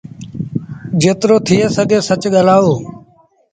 جيترو ٿئي سگھي سچ ڳآلآئو